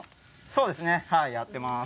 そうですね、やってます。